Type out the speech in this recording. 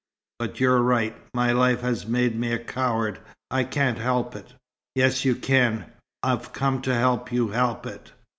But you're right. My life has made me a coward. I can't help it." "Yes, you can I've come to help you help it."